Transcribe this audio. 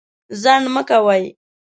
ځنډ مه کوئ.